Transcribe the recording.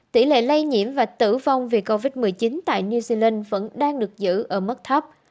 tỷ lệ lây nhiễm và tử vong vì covid một mươi chín tại new zealand vẫn đang được giữ ở mức thấp